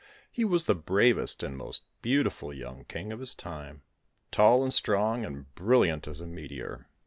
He was the bravest and most beautiful young king of his time tall and strong and brilliant as a meteor.